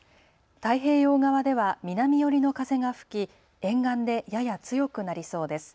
太平洋側では南寄りの風が吹き沿岸でやや強くなりそうです。